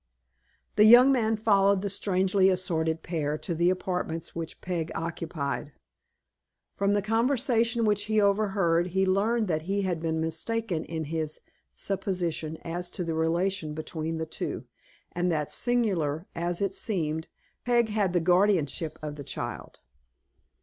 The young man followed the strangely assorted pair to the apartments which Peg occupied. From the conversation which he overheard he learned that he had been mistaken in his supposition as to the relation between the two, and that, singular as it seemed, Peg had the guardianship of the child.